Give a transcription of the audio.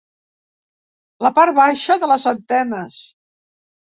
La part baixa de les antenes.